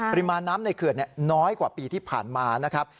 ปริมาณน้ำในเขื่อนน้อยกว่าปีที่ผ่านมานะครับ